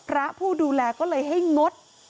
ผู้ดูแลก็เลยให้งด